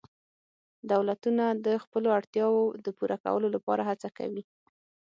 دولتونه د خپلو اړتیاوو د پوره کولو لپاره هڅه کوي